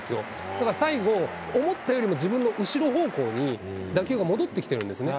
だから最後、思ったよりも自分の後ろ方向に打球が戻ってきてるんですね。